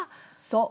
そう。